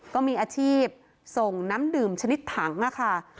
ก็มีอาชีพส่งน้ำดื่มชนิดถังค่ะ